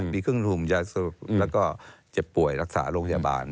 มีครึ่งหุ่มแล้วก็จะป่วยรักษาโรคยาบาล